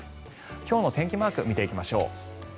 今日の天気マークを見ていきましょう。